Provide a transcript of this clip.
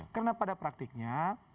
karena pada praktiknya